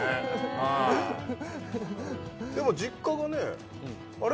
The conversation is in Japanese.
はいでも実家がねあれ？